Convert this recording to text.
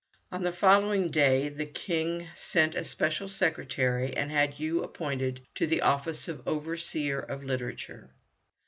On the following day the King sent a special secretary and had Yoo appointed to the office of Overseer of Literature.